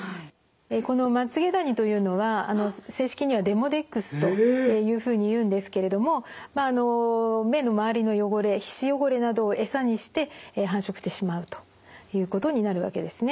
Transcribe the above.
このまつげダニというのは正式にはデモデックスというふうにいうんですけれども目の周りの汚れ皮脂汚れなどを餌にして繁殖してしまうということになるわけですね。